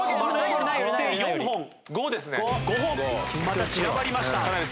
また散らばりました。